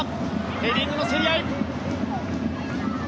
ヘディングの競り合い。